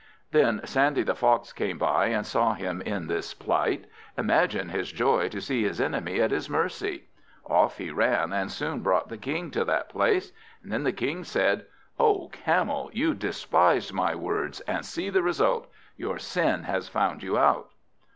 Then Sandy the Fox came by, and saw him in this plight. Imagine his joy to see his enemy at his mercy! Off he ran, and soon brought the King to that place. Then the King said "O Camel, you despised my words, and see the result. Your sin has found you out."